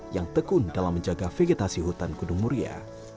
yang tekun dalam menjaga vegetasi hutan gunung muria